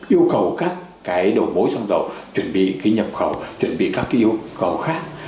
yêu cầu các cái đầu mối xăng dầu chuẩn bị cái nhập khẩu chuẩn bị các cái yêu cầu khác